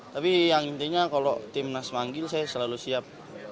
tapi yang intinya kalau timnas manggil saya selalu siap